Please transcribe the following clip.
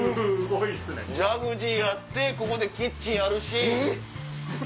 ジャグジーあってここにキッチンあるし。